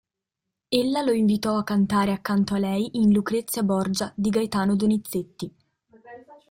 Ella lo invitò a cantare accanto a lei in "Lucrezia Borgia" di Gaetano Donizetti.